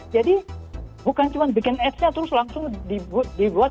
jadi bukan cuma bikin apps nya terus langsung dibuat